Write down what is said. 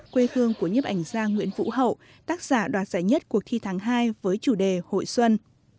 quê hương của nhếp ảnh gia nguyễn vũ hậu tác giả đoạt giải nhất cuộc thi tháng hai với chủ đề hội xuân